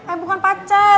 eh bukan pacar